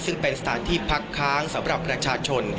ซึ่งเป็นสถานที่พักค้างสำหรับประชาชน